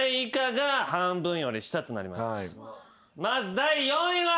まず第４位は。